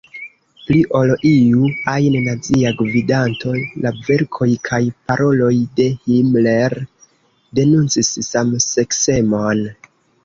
Pli ol iu ajn Nazia gvidanto, la verkoj kaj paroloj de Himmler denuncis samseksemon.